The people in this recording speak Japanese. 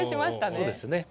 そうですね。